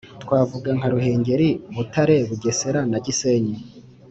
twavuga nka ruhengeri, butare, bugesera, na gisenyi.